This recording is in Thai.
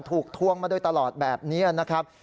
ทวงมาโดยตลอดแบบนี้นะครับ